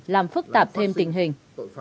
làm phức tạp thêm tình hình